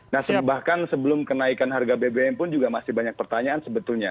nah bahkan sebelum kenaikan harga bbm pun juga masih banyak pertanyaan sebetulnya